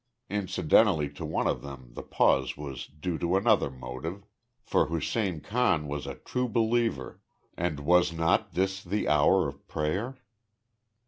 Incidentally to one of them the pause was due to another motive, for Hussein Khan was a true believer, and was not this the hour of prayer?